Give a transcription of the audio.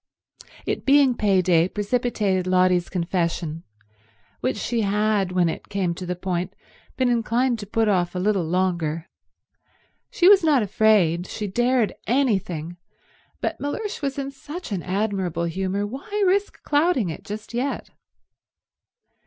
It being pay day precipitated Lotty's confession, which she had, when it came to the point, been inclined to put off a little longer. She was not afraid, she dared anything, but Mellersh was in such an admirable humour—why risk clouding it just yet?